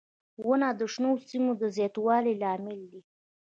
• ونه د شنو سیمو د زیاتوالي لامل دی.